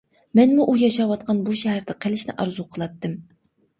مەنمۇ ئۇ ياشاۋاتقان بۇ شەھەردە قېلىشنى ئارزۇ قىلاتتىم.